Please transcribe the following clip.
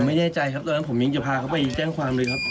ไม่แน่ใจครับตอนนั้นผมยังจะพาเขาไปแจ้งความเลยครับ